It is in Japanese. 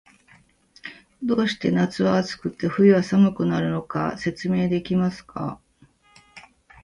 どうして夏は暑くて、冬は寒くなるのか、説明できますか？